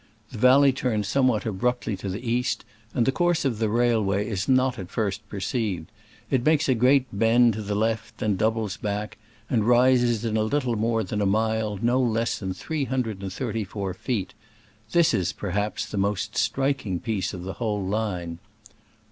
The valley turns somewhat abruptly to the east, and the course of the railway is not at first per ceived. It makes a great bend to the left, then doubles back, and rises in a little more than a mile no less than three hundred and thirty four feet. This is, perhaps, the most striking piece of the whole line.